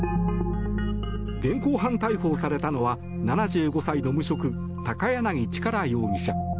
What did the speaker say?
現行犯逮捕されたのは７５歳の無職、高柳力容疑者。